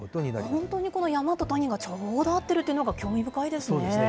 本当にこの山と谷がちょうど合っているというのが興味深いでそうですね。